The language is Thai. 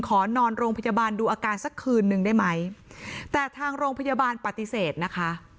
ขอนอนโรงพยาบาลดูอาการสักคืนนึงได้ไหมแต่ทางโรงพยาบาลปฏิเสธนะคะ